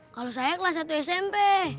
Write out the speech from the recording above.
kalau saya kelas satu smp